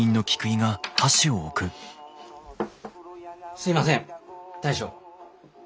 すいません大将。